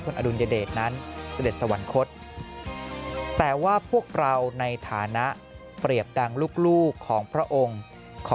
ดุลยเดชนั้นเสด็จสวรรคตแต่ว่าพวกเราในฐานะเปรียบดังลูกของพระองค์ขอ